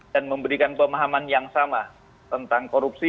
memberikan pemahaman yang sama tentang korupsi